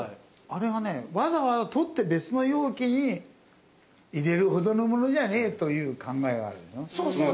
あれがねわざわざ取って別の容器に入れるほどのものじゃねえという考えがあるでしょ。